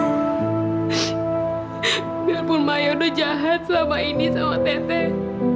meskipun saya sudah jahat selama ini sama teteh